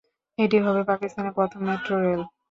এটি হবে পাকিস্তানের প্রথম মেট্রো রেল।